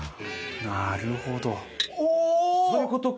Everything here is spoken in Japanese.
なるほど。